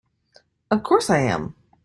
Of course I am!